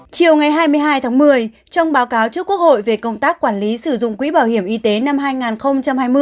chiều ngày hai mươi hai tháng một mươi trong báo cáo trước quốc hội về công tác quản lý sử dụng quỹ bảo hiểm y tế năm hai nghìn hai mươi